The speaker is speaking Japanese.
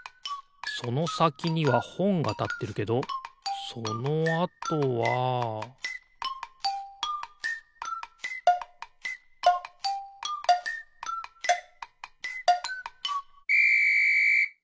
そのさきにはほんがたってるけどそのあとはピッ！